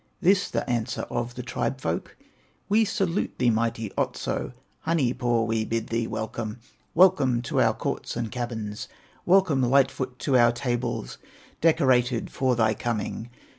This the answer of the tribe folk: "We salute thee, mighty Otso, Honey paw, we bid thee welcome, Welcome to our courts and cabins, Welcome, Light foot, to our tables Decorated for thy coming!